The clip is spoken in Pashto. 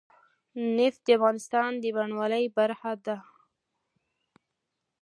نفت د افغانستان د بڼوالۍ برخه ده.